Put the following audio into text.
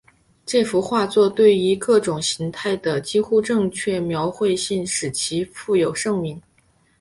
这幅画作对于各种形态的几乎正确描绘性使其负有盛名。